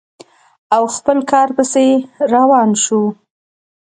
او خپل کار پسې روان شو.